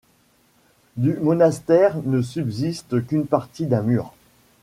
Du monastère ne subsiste qu'une partie d'un mur.